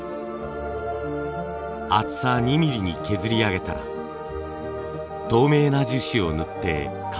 厚さ２ミリに削り上げたら透明な樹脂を塗って完成。